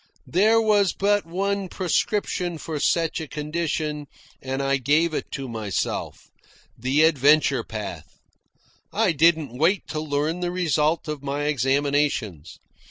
There was but one prescription for such a condition, and I gave it to myself the adventure path. I didn't wait to learn the result of my examinations.